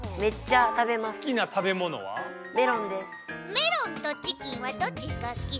メロンとチキンはどっちがすきソヨ？